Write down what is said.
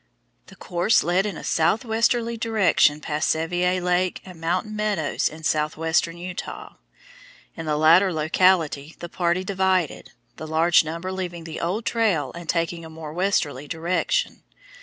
The course led in a southwesterly direction past Sevier Lake and Mountain Meadows in southwestern Utah. In the latter locality the party divided, the larger number leaving the old trail and taking a more westerly direction.